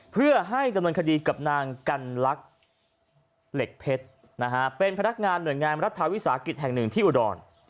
เพื่อให้ดำเนินคดีกับนางกันลักษณ์เหล็กเพชรนะฮะเป็นพนักงานหน่วยงานรัฐวิสาหกิจแห่งหนึ่งที่อุดร